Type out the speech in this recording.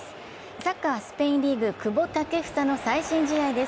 サッカースペインリーグ、久保建英の最新試合です。